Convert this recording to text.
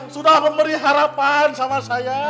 sudah memberi harapan sama saya